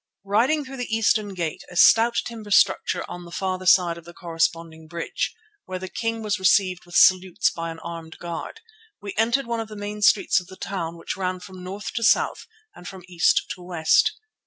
Riding through the eastern gate, a stout timber structure on the farther side of the corresponding bridge, where the king was received with salutes by an armed guard, we entered one of the main streets of the town which ran from north to south and from east to west.